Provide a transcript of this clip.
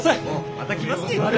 また来ますき！